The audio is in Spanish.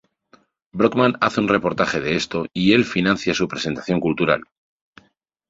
Brockman hace un reportaje de esto y el financia su presentación cultural.